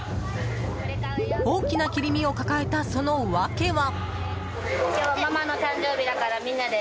大きな切り身を抱えたその訳は。